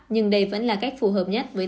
nhưng đây vẫn là cách phù hợp nhất với